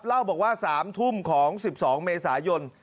เล่าบอกว่า๓ทุ่มของ๑๒เมษายน